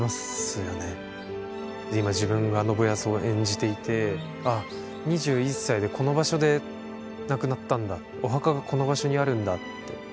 今自分が信康を演じていてああ２１歳でこの場所で亡くなったんだお墓がこの場所にあるんだって。